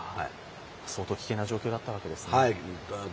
相当危険な状況だったわけですね。